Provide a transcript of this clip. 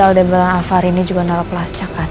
aldebalan alfarini juga nolak lacakan